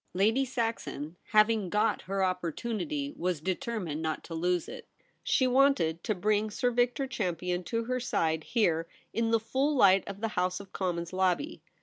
Lady Saxon, having got her opportunity, was determined not to lose it. She wanted to bring Sir Victor Champion to her side here in the full light of the House of Commons lobby.